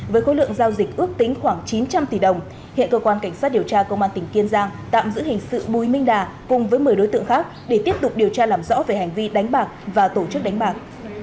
với khối lượng giao dịch ước tính khoảng chín trăm linh tỷ đồng hiện cơ quan cảnh sát điều tra công an tỉnh kiên giang tạm giữ hình sự bùi minh đà cùng với một mươi đối tượng khác để tiếp tục điều tra làm rõ về hành vi đánh bạc và tổ chức đánh bạc